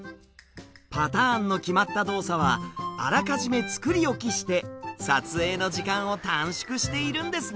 パターンの決まった動作はあらかじめ作り置きして撮影の時間を短縮しているんですね。